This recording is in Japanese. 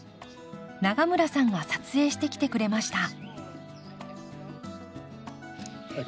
永村さんが撮影してきてくれました。